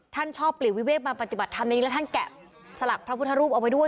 ท่านชอบปลีกวิเวกมาปฏิบัติธรรมอย่างนี้แล้วท่านแกะสลักพระพุทธรูปเอาไว้ด้วย